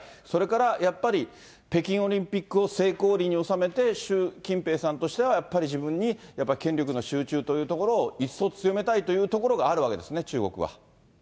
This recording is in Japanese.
それからやっぱり北京オリンピックを成功裏に収めて、習近平さんとしては、やっぱり自分に権力の集中というところを一層強めたいというところがあるわけですね、中国は。